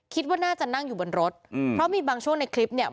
คิดว่าน่าจะนั่งอยู่บนรถอืมเพราะมีบางช่วงในคลิปเนี่ย